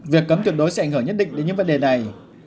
việc cấm tuyệt đối sẽ ảnh hưởng nhất định đến những vấn đề này